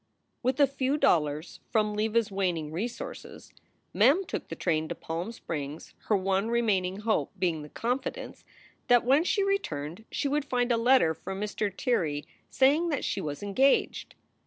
With a few dollars from Leva s waning resources Mem took the train to Palm Springs, her one remaining hope being the confidence that when she returned she would find a letter from Mr. Tirrey saying that she was engaged.